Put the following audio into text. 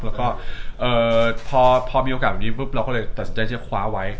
แล้วก็พอมีโอกาสแบบนี้ปุ๊บเราก็เลยตัดสินใจจะคว้าไว้